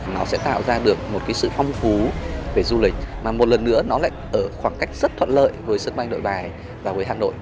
mà một lần nữa nó lại ở khoảng cách rất thuận lợi với sơn banh đội bài và với hà nội